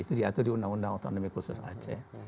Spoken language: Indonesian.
itu diatur di undang undang otonomi khusus aceh